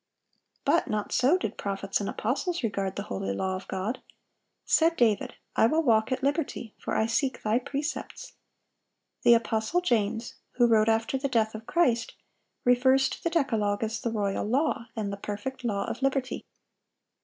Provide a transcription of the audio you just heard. But not so did prophets and apostles regard the holy law of God. Said David, "I will walk at liberty: for I seek Thy precepts."(779) The apostle James, who wrote after the death of Christ, refers to the decalogue as the "royal law," and the "perfect law of liberty."